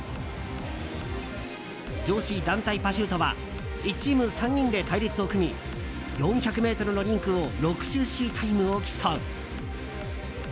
女子団体パシュートは１チーム３人で隊列を組み４００ｍのリンクを６周しタイムを競う。